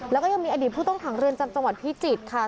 แล้วก็ยังมีอดีตผู้ต้องขังเรือนจำจังหวัดพิจิตรค่ะ